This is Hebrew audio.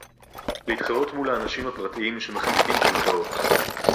להתחרות מול האנשים הפרטיים שמחזיקים קרקעות